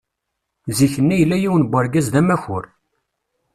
Zik-nni yella yiwen n urgaz d amakur.